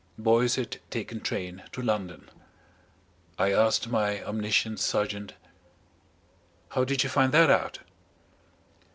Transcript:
Boyce had taken train to London. I asked my omniscient sergeant: "How did you find that out?"